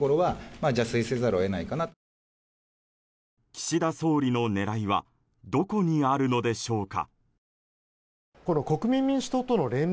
岸田総理の狙いはどこにあるのでしょうか。